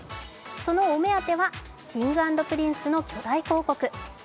そのお目当てはＫｉｎｇ＆Ｐｒｉｎｃｅの巨大広告。